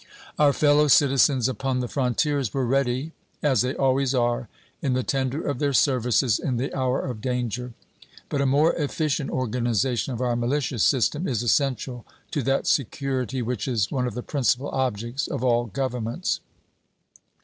Our fellow citizens upon the frontiers were ready, as they always are, in the tender of their services in the hour of danger. But a more efficient organization of our militia system is essential to that security which is one of the principal objects of all governments.